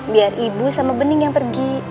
biar ibu sama bening yang pergi